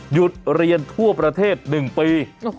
หยุดเรียนทั่วประเทศ๑ปี